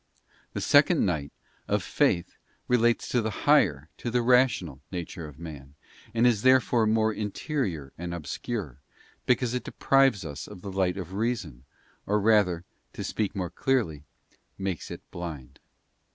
The second night, of faith, relates to the higher, to the rational, nature of man, and is therefore more interior and obscure, because it deprives us of the light of reason, or rather, to speak more clearly, makes it blind.